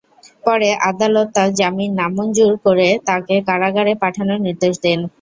পরে আদালত তাঁর জামিন নামঞ্জুর করে তাঁকে কারাগারে পাঠানোর নির্দেশ দেন।